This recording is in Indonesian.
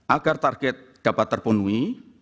agar target dapat terpenuhi